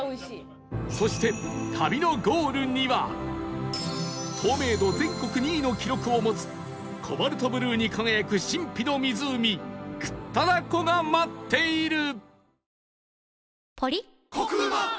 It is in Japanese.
そして旅のゴールには透明度全国２位の記録を持つコバルトブルーに輝く神秘の湖倶多楽湖が待っている